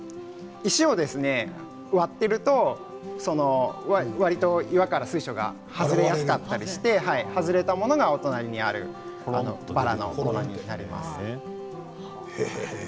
石を割っているとわりと岩から水晶が外れやすかったりして外れたものがお隣にあるバラのものになります。